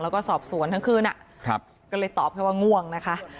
แล้วก็สอบสวนทั้งคืนก็เลยตอบแค่ว่าง่วงนะคะ